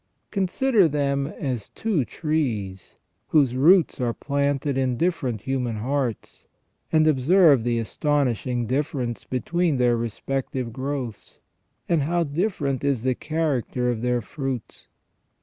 Consider them as two trees whose roots are planted in different human hearts, and observe the astonishing difference between 388 FROM THE BEGINNING TO THE END OF MAN their respective growths, and how different is the character of their fruits.